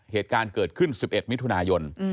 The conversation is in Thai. เหตุการณ์เกิดขึ้น๑๑มิถุนายน